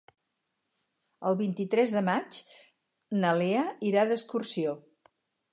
El vint-i-tres de maig na Lea irà d'excursió.